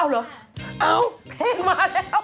เอาเหรอเอาเพลงมาแล้ว